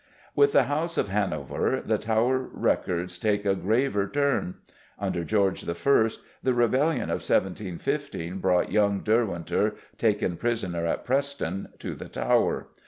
With the House of Hanover the Tower records take a graver turn. Under George I. the rebellion of 1715 brought young Derwentwater, taken prisoner at Preston, to the Tower.